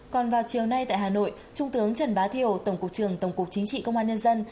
còn vào chiều nay tại hà nội trung tướng trần bá thiểu tổng cục trường tổng cục chính trị công an nhân dân